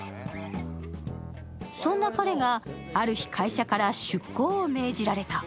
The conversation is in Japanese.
そんな彼がある日、会社から出向を命じられた。